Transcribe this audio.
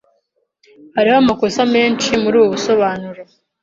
Hariho amakosa menshi muri ubu busobanuro.